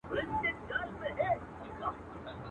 نو یې مخ سو پر جومات او پر لمونځونو.